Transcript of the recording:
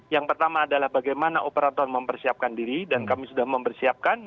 yang pertama adalah bagaimana operator mempersiapkan diri dan kami sudah mempersiapkan